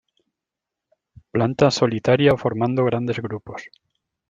Planta solitaria o formando grandes grupos.